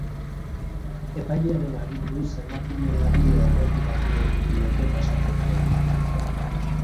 Epailearen aginduz emakumeari erretiratu egin diote pasaportea.